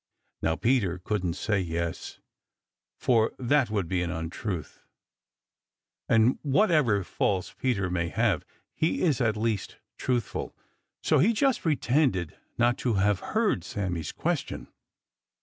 Now Peter couldn't say "yes" for that would be an untruth, and whatever faults Peter may have, he is at least truthful. So he just pretended not to have heard Sammy's question.